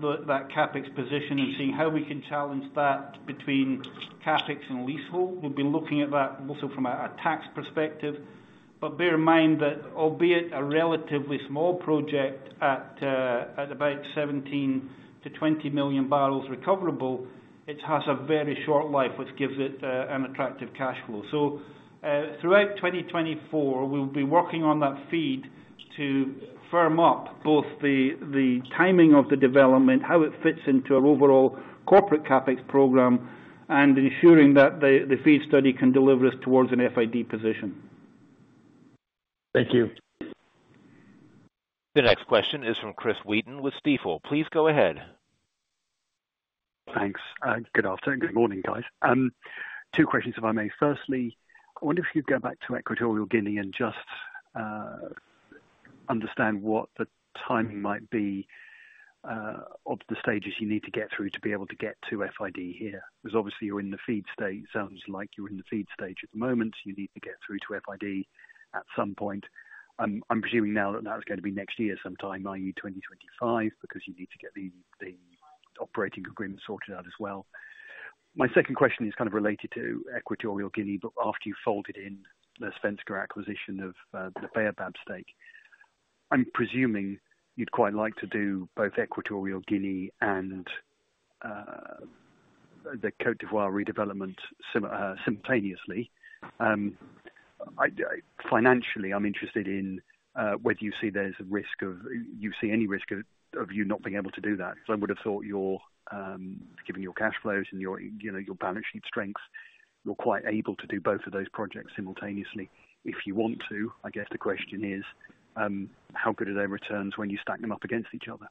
CapEx position and seeing how we can challenge that between CapEx and leasehold. We've been looking at that also from a tax perspective. But bear in mind that albeit a relatively small project at about 17 million-20 million bbl recoverable, it has a very short life, which gives it an attractive cash flow. So throughout 2024, we'll be working on that FEED to firm up both the timing of the development, how it fits into our overall corporate CapEx program, and ensuring that the FEED study can deliver us towards an FID position. Thank you. The next question is from Chris Wheaton with Stifel. Please go ahead. Thanks. Good afternoon. Good morning, guys. Two questions, if I may. Firstly, I wonder if you could go back to Equatorial Guinea and just understand what the timing might be of the stages you need to get through to be able to get to FID here. Because obviously, you're in the FEED stage. Sounds like you're in the FEED stage at the moment. You need to get through to FID at some point. I'm presuming now that that's going to be next year sometime, i.e., 2025, because you need to get the operating agreement sorted out as well. My second question is kind of related to Equatorial Guinea, but after you folded in the Svenska acquisition of the Baobab stake, I'm presuming you'd quite like to do both Equatorial Guinea and the Côte d'Ivoire redevelopment simultaneously. Financially, I'm interested in whether you see any risk of you not being able to do that. Because I would have thought, given your cash flows and your balance sheet strengths, you're quite able to do both of those projects simultaneously. If you want to, I guess the question is, how good are their returns when you stack them up against each other?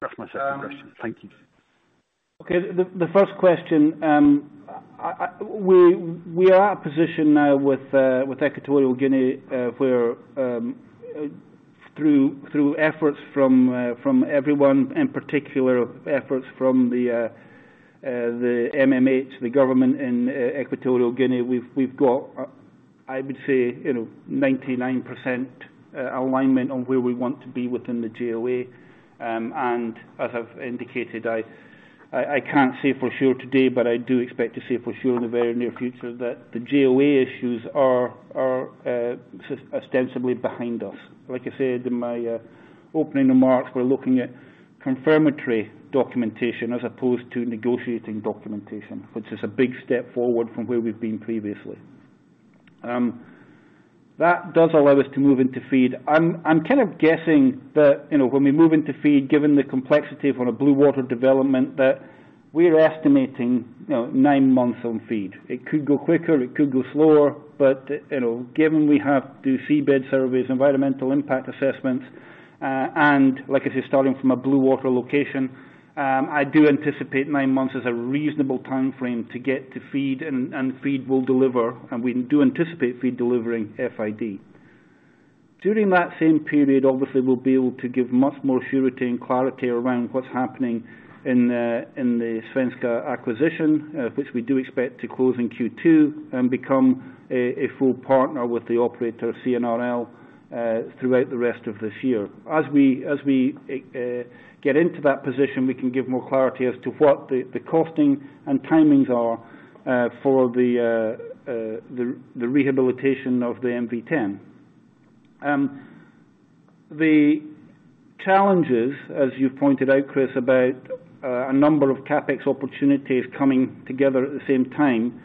That's my second question. Thank you. Okay. The first question, we are at a position now with Equatorial Guinea where, through efforts from everyone in particular, efforts from the MMH, the government in Equatorial Guinea, we've got, I would say, 99% alignment on where we want to be within the JOA. As I've indicated, I can't say for sure today, but I do expect to say for sure in the very near future that the JOA issues are ostensibly behind us. Like I said in my opening remarks, we're looking at confirmatory documentation as opposed to negotiating documentation, which is a big step forward from where we've been previously. That does allow us to move into FEED. I'm kind of guessing that when we move into FEED, given the complexity of on a blue water development, that we're estimating nine months on FEED. It could go quicker. It could go slower. But given we have to do seabed surveys, environmental impact assessments, and like I said, starting from a blue water location, I do anticipate nine months as a reasonable timeframe to get to FEED. And FEED will deliver. And we do anticipate FEED delivering FID. During that same period, obviously, we'll be able to give much more surety and clarity around what's happening in the Svenska acquisition, which we do expect to close in Q2 and become a full partner with the operator, CNRL, throughout the rest of this year. As we get into that position, we can give more clarity as to what the costing and timings are for the rehabilitation of the MV10. The challenges, as you've pointed out, Chris, about a number of CapEx opportunities coming together at the same time,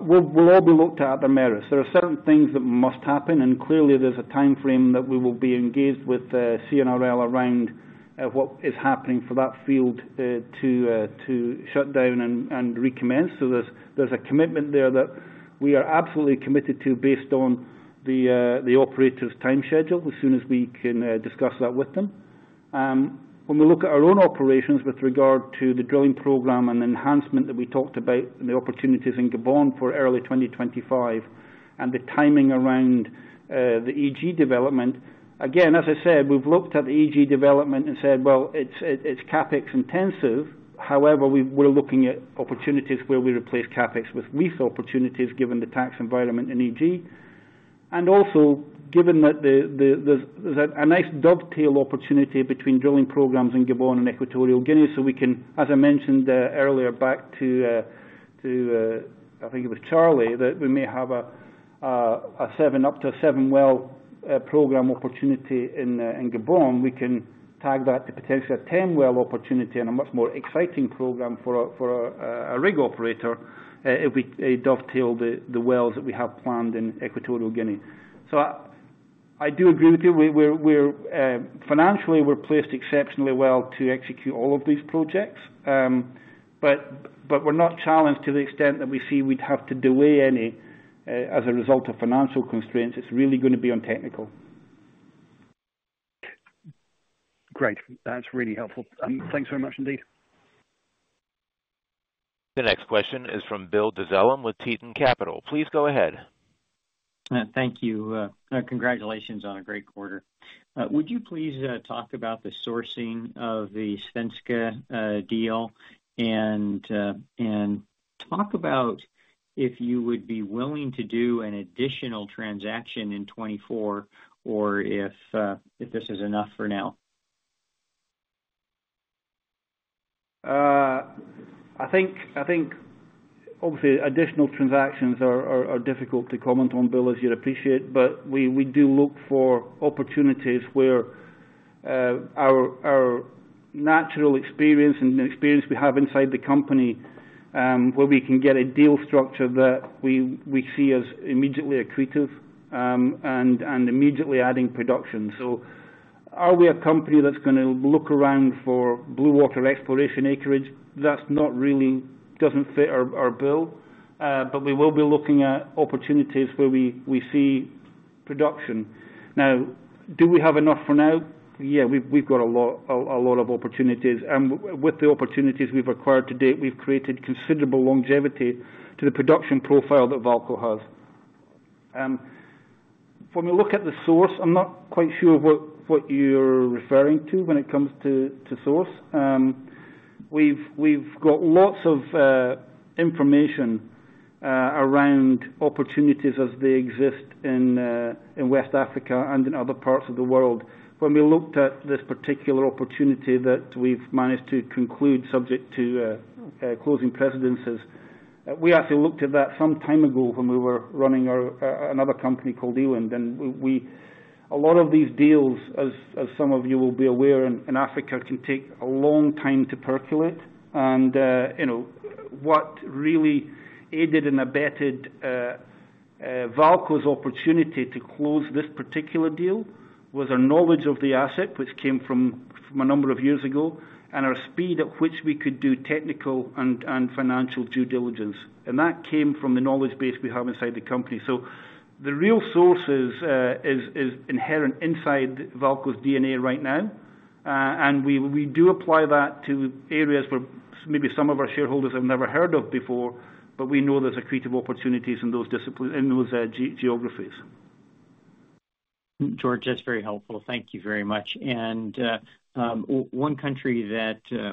will all be looked at at their merits. There are certain things that must happen. And clearly, there's a timeframe that we will be engaged with CNRL around what is happening for that field to shut down and recommence. So there's a commitment there that we are absolutely committed to based on the operator's time schedule as soon as we can discuss that with them. When we look at our own operations with regard to the drilling program and the enhancement that we talked about and the opportunities in Gabon for early 2025 and the timing around the EG development, again, as I said, we've looked at the EG development and said, "Well, it's CapEx intensive. However, we're looking at opportunities where we replace CapEx with lease opportunities given the tax environment in EG. And also, given that there's a nice dovetail opportunity between drilling programs in Gabon and Equatorial Guinea so we can, as I mentioned earlier back to, I think it was Charlie, that we may have up to a 7-well program opportunity in Gabon, we can tag that to potentially a 10-well opportunity and a much more exciting program for a rig operator if we dovetail the wells that we have planned in Equatorial Guinea. So I do agree with you. Financially, we're placed exceptionally well to execute all of these projects. But we're not challenged to the extent that we see we'd have to delay any as a result of financial constraints. It's really going to be on technical. Great. That's really helpful. Thanks very much, indeed. The next question is from Bill Dezellem with Tieton Capital. Please go ahead. Thank you. Congratulations on a great quarter. Would you please talk about the sourcing of the Svenska deal and talk about if you would be willing to do an additional transaction in 2024 or if this is enough for now? I think, obviously, additional transactions are difficult to comment on, Bill, as you'd appreciate. But we do look for opportunities where our natural experience and the experience we have inside the company where we can get a deal structure that we see as immediately accretive and immediately adding production. So are we a company that's going to look around for blue water exploration acreage? That doesn't fit our bill. But we will be looking at opportunities where we see production. Now, do we have enough for now? Yeah. We've got a lot of opportunities. And with the opportunities we've acquired to date, we've created considerable longevity to the production profile that VAALCO has. When we look at the source, I'm not quite sure what you're referring to when it comes to source. We've got lots of information around opportunities as they exist in West Africa and in other parts of the world. When we looked at this particular opportunity that we've managed to conclude subject to closing conditions, we actually looked at that some time ago when we were running another company called Eland. A lot of these deals, as some of you will be aware, in Africa can take a long time to percolate. What really aided and abetted VAALCO's opportunity to close this particular deal was our knowledge of the asset, which came from a number of years ago, and our speed at which we could do technical and financial due diligence. That came from the knowledge base we have inside the company. So the real source is inherent inside VAALCO's DNA right now. We do apply that to areas where maybe some of our shareholders have never heard of before. We know there's accretive opportunities in those geographies. George, that's very helpful. Thank you very much. And one country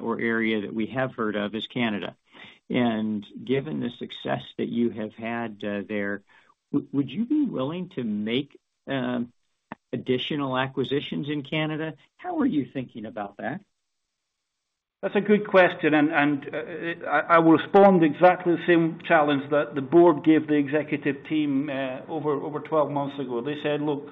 or area that we have heard of is Canada. And given the success that you have had there, would you be willing to make additional acquisitions in Canada? How are you thinking about that? That's a good question. I will respond exactly the same challenge that the board gave the executive team over 12 months ago. They said, "Look,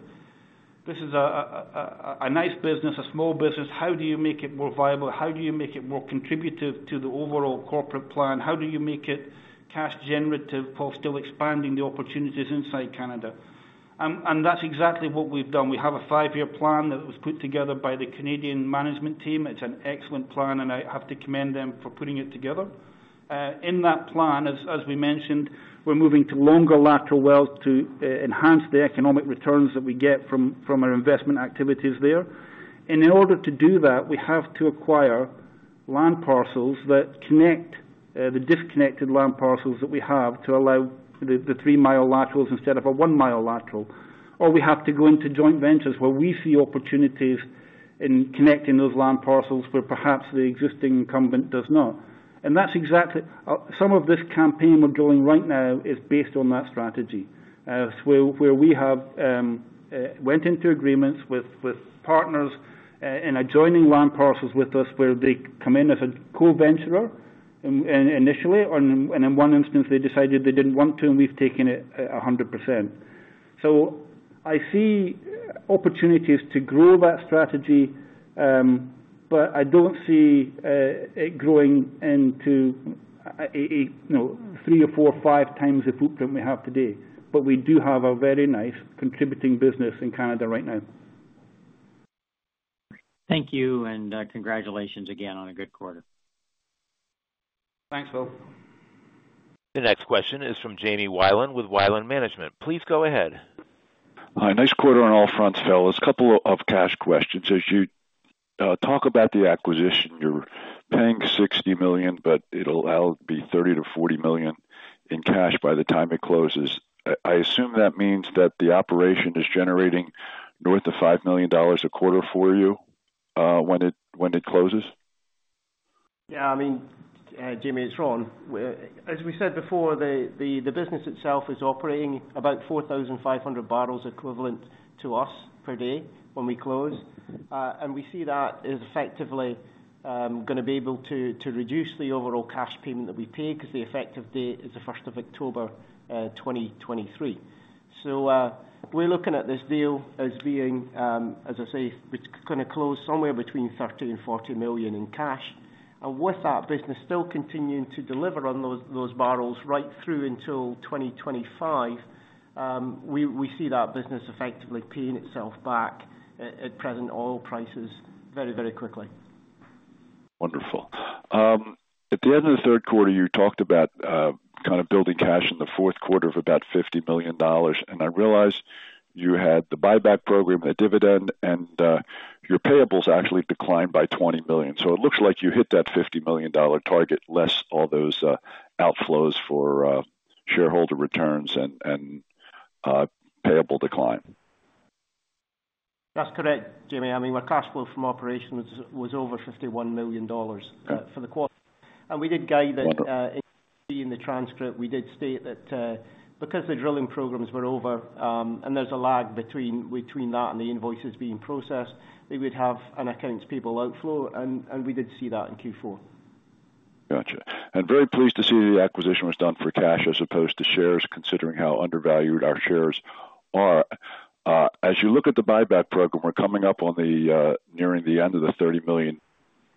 this is a nice business, a small business. How do you make it more viable? How do you make it more contributive to the overall corporate plan? How do you make it cash-generative while still expanding the opportunities inside Canada?" That's exactly what we've done. We have a 5-year plan that was put together by the Canadian management team. It's an excellent plan. I have to commend them for putting it together. In that plan, as we mentioned, we're moving to longer lateral wells to enhance the economic returns that we get from our investment activities there. In order to do that, we have to acquire land parcels that connect the disconnected land parcels that we have to allow the 3-mile laterals instead of a 1-mile lateral. Or we have to go into joint ventures where we see opportunities in connecting those land parcels where perhaps the existing incumbent does not. And some of this campaign we're drilling right now is based on that strategy, where we have went into agreements with partners in adjoining land parcels with us where they come in as a co-venturer initially. And in one instance, they decided they didn't want to. And we've taken it 100%. So I see opportunities to grow that strategy. But I don't see it growing into 3 or 4, 5 times the footprint we have today. But we do have a very nice contributing business in Canada right now. Thank you. Congratulations again on a good quarter. Thanks, Bill. The next question is from Jamie Wyland with Wyland Management. Please go ahead. Hi. Nice quarter on all fronts, Phil. There's a couple of cash questions. As you talk about the acquisition, you're paying $60 million. But it'll be $30 million-$40 million in cash by the time it closes. I assume that means that the operation is generating north of $5 million a quarter for you when it closes? Yeah. I mean, Jamie, it's wrong. As we said before, the business itself is operating about 4,500 bbl equivalent to us per day when we close. And we see that as effectively going to be able to reduce the overall cash payment that we pay because the effective date is the 1st of October 2023. So we're looking at this deal as being, as I say, which is going to close somewhere between $30 million and $40 million in cash. And with that business still continuing to deliver on those barrels right through until 2025, we see that business effectively paying itself back at present oil prices very, very quickly. Wonderful. At the end of the third quarter, you talked about kind of building cash in the fourth quarter of about $50 million. And I realize you had the buyback program, the dividend, and your payables actually declined by $20 million. So it looks like you hit that $50 million target less all those outflows for shareholder returns and payable decline. That's correct, Jamie. I mean, my cash flow from operations was over $51 million for the quarter. We did guide that in the transcript. We did state that because the drilling programs were over and there's a lag between that and the invoices being processed, we would have an accounts payable outflow. We did see that in Q4. Gotcha. Very pleased to see the acquisition was done for cash as opposed to shares considering how undervalued our shares are. As you look at the buyback program, we're coming up nearing the end of the $30 million.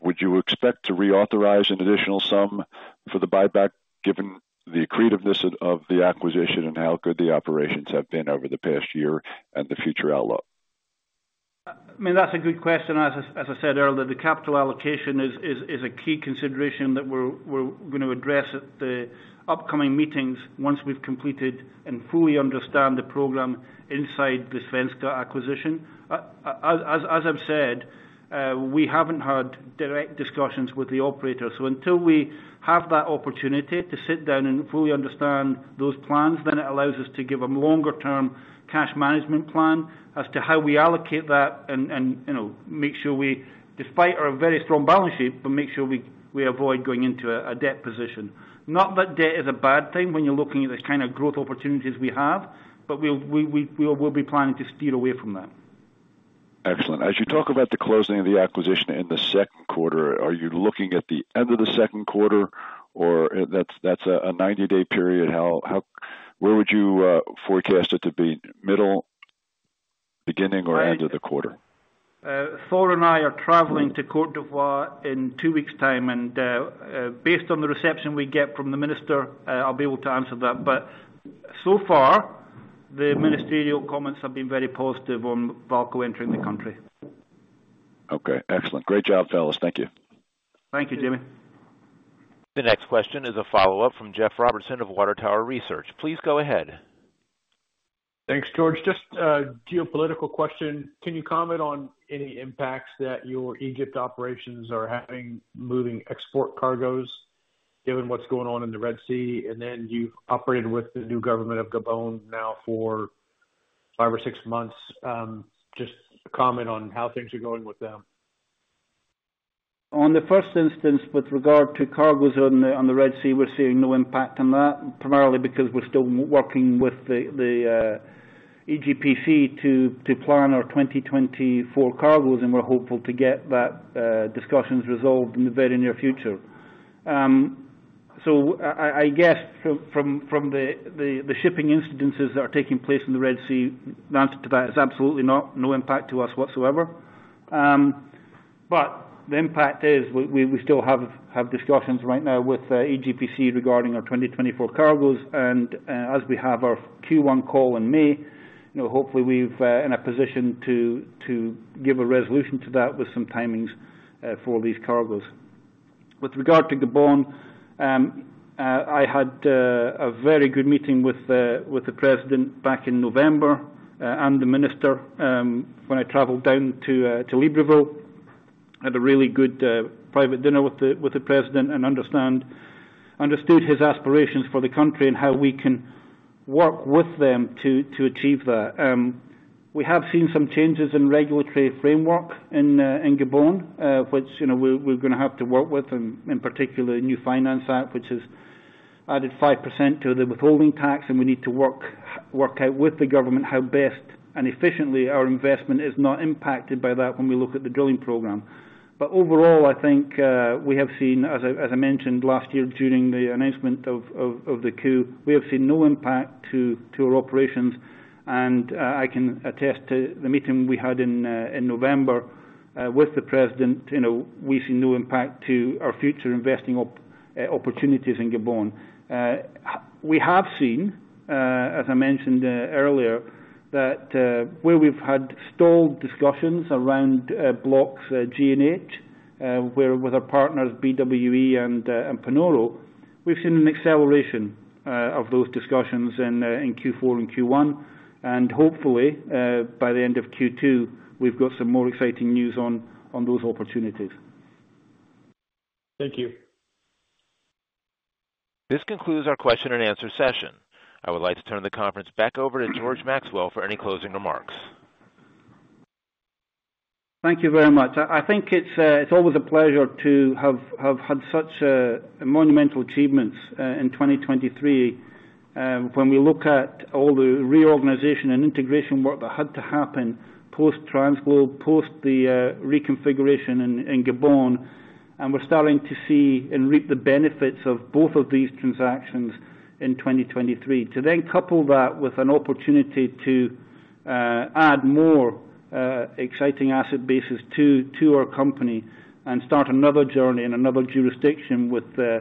Would you expect to reauthorize an additional sum for the buyback given the accretiveness of the acquisition and how good the operations have been over the past year and the future outlook? I mean, that's a good question. As I said earlier, the capital allocation is a key consideration that we're going to address at the upcoming meetings once we've completed and fully understand the program inside the Svenska acquisition. As I've said, we haven't had direct discussions with the operator. So until we have that opportunity to sit down and fully understand those plans, then it allows us to give a longer-term cash management plan as to how we allocate that and make sure we, despite our very strong balance sheet, but make sure we avoid going into a debt position. Not that debt is a bad thing when you're looking at the kind of growth opportunities we have. But we will be planning to steer away from that. Excellent. As you talk about the closing of the acquisition in the second quarter, are you looking at the end of the second quarter? Or that's a 90-day period. Where would you forecast it to be, middle, beginning, or end of the quarter? Thor and I are traveling to Côte d'Ivoire in two weeks' time. And based on the reception we get from the minister, I'll be able to answer that. But so far, the ministerial comments have been very positive on VAALCO entering the country. Okay. Excellent. Great job, fellas. Thank you. Thank you, Jamie. The next question is a follow-up from Jeff Robertson of Water Tower Research. Please go ahead. Thanks, George. Just a geopolitical question. Can you comment on any impacts that your Egypt operations are having moving export cargoes given what's going on in the Red Sea? And then you've operated with the new government of Gabon now for five or six months. Just comment on how things are going with them. On the first instance, with regard to cargoes on the Red Sea, we're seeing no impact on that primarily because we're still working with the EGPC to plan our 2024 cargoes. We're hopeful to get that discussions resolved in the very near future. I guess from the shipping incidents that are taking place in the Red Sea, the answer to that is absolutely no impact to us whatsoever. The impact is we still have discussions right now with EGPC regarding our 2024 cargoes. As we have our Q1 call in May, hopefully, we're in a position to give a resolution to that with some timings for these cargoes. With regard to Gabon, I had a very good meeting with the president back in November and the minister when I traveled down to Libreville. Had a really good private dinner with the president and understood his aspirations for the country and how we can work with them to achieve that. We have seen some changes in regulatory framework in Gabon, which we're going to have to work with, and in particular, the new finance act, which has added 5% to the withholding tax. We need to work out with the government how best and efficiently our investment is not impacted by that when we look at the drilling program. Overall, I think we have seen, as I mentioned last year during the announcement of the coup, we have seen no impact to our operations. I can attest to the meeting we had in November with the president. We've seen no impact to our future investing opportunities in Gabon. We have seen, as I mentioned earlier, that where we've had stalled discussions around blocks G and H, where with our partners BW Energy and Panoro, we've seen an acceleration of those discussions in Q4 and Q1. Hopefully, by the end of Q2, we've got some more exciting news on those opportunities. Thank you. This concludes our question-and-answer session. I would like to turn the conference back over to George Maxwell for any closing remarks. Thank you very much. I think it's always a pleasure to have had such monumental achievements in 2023 when we look at all the reorganization and integration work that had to happen post-TransGlobe, post the reconfiguration in Gabon. We're starting to see and reap the benefits of both of these transactions in 2023. To then couple that with an opportunity to add more exciting asset bases to our company and start another journey in another jurisdiction with a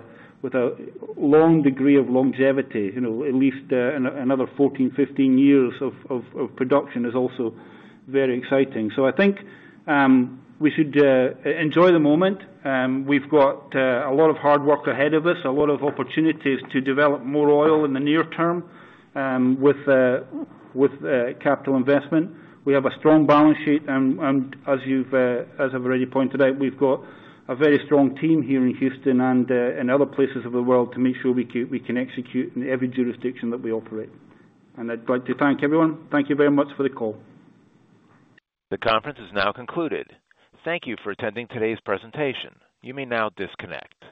long degree of longevity, at least another 14, 15 years of production is also very exciting. I think we should enjoy the moment. We've got a lot of hard work ahead of us, a lot of opportunities to develop more oil in the near term with capital investment. We have a strong balance sheet. As I've already pointed out, we've got a very strong team here in Houston and in other places of the world to make sure we can execute in every jurisdiction that we operate. I'd like to thank everyone. Thank you very much for the call. The conference is now concluded. Thank you for attending today's presentation. You may now disconnect.